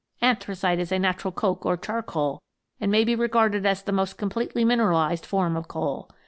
" Anthracite is a natural coke or charcoal, and may be regarded as the most completely mineralized form of coal.